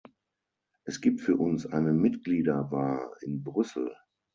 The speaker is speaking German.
Es gibt für uns eine Mitglieder-Bar in Brüssel.